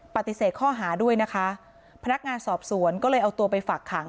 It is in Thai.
ปฏิเสธข้อหาด้วยนะคะพนักงานสอบสวนก็เลยเอาตัวไปฝากขัง